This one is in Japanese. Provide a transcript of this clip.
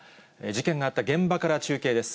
事件があった現場から中継です。